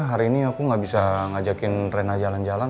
hari ini aku gak bisa ngajakin rena jalan jalan